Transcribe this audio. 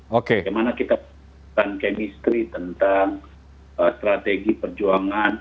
bagaimana kita chemistry tentang strategi perjuangan